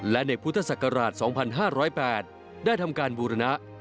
และในพุทธศักราช๒๕๐๘ได้ทำการบูรณะ